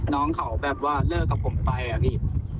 น้องเขาแบบว่าเลิกกับผมไปอะพี่